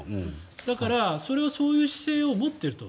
だからそういう姿勢を持っていると。